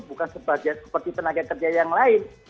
bukan seperti tenaga kerja yang lain